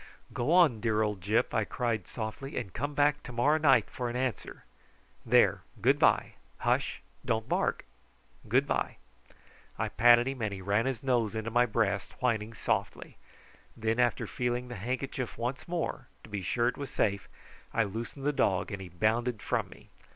"Go on, dear old Gyp," I cried softly; "and come back to morrow night for an answer. There, good bye. Hush! don't bark. Good bye!" I patted him, and he ran his nose into my breast, whining softly. Then after feeling the handkerchief once more, to be sure it was safe, I loosened the dog and he bounded from me.